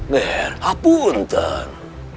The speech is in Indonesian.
ger hapun ten